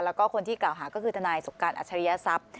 แล้วก็คนที่กล่าวหาก็คือทนายสงการอัชริยทรัพย์